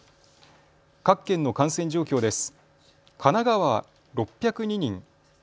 各県の感染状況です。